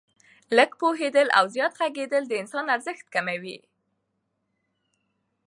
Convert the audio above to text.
لږ پوهېدل او زیات ږغېدل د انسان ارزښت کموي.